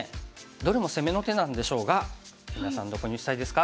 どれも攻めの手なんでしょうが皆さんどこに打ちたいですか？